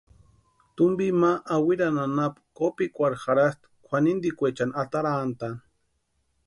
Tumpi ma Ahuirani anapu kopikwarhu jarhasti kwʼanintikwechani atarantʼaani.